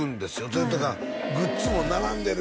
それとかグッズも並んでる